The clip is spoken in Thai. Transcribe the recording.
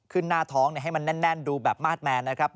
หน้าท้องให้มันแน่นดูแบบมาสแมนนะครับ